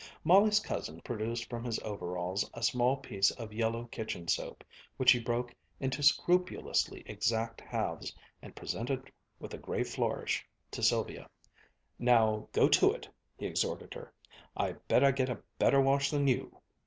Molly's cousin produced from his overalls a small piece of yellow kitchen soap, which he broke into scrupulously exact halves and presented with a grave flourish to Sylvia. "Now, go to it," he exhorted her; "I bet I get a better wash than you."